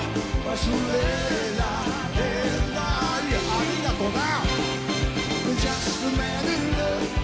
ありがとな。